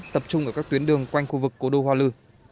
tập trung ở các tuyến đường quanh khu vực cố đô hoa lư